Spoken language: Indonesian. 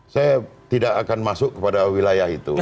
saya tidak akan masuk kepada wilayah itu